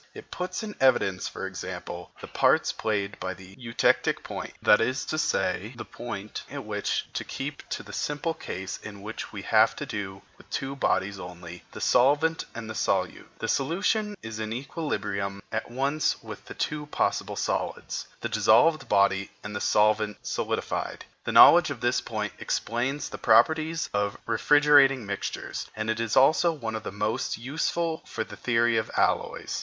It puts in evidence, for example, the part played by the eutectic point that is to say, the point at which (to keep to the simple case in which we have to do with two bodies only, the solvent and the solute) the solution is in equilibrium at once with the two possible solids, the dissolved body and the solvent solidified. The knowledge of this point explains the properties of refrigerating mixtures, and it is also one of the most useful for the theory of alloys.